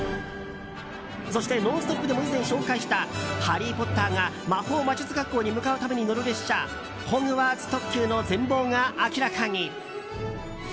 そして「ノンストップ！」でも以前紹介したハリー・ポッターが魔法魔術学校に向かうために乗る列車、ホグワーツ特急の全貌が明らかに！